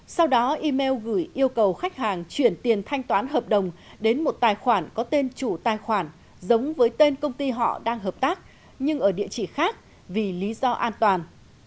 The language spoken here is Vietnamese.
sau đó email gửi yêu cầu khách hàng chuyển tiền thanh toán hợp đồng đến một tài khoản có tên chủ tài khoản giống với tên công ty họ đang hợp tác nhưng ở địa chỉ khác vì lý do an toàn